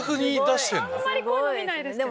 あんまりこういうの見ないですけど。